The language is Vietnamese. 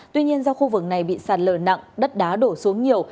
tuy nhiên do khu vực này bị sạt lở nặng đất đá đổ xuống nhiều